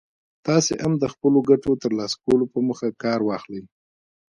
تاسې هم د خپلو ګټو ترلاسه کولو په موخه کار واخلئ.